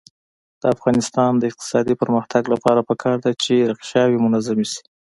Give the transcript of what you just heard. د افغانستان د اقتصادي پرمختګ لپاره پکار ده چې ریکشاوې منظمې شي.